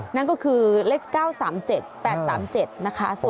นั่นก็คือเลข๙๓๗๘๓๗นะคะ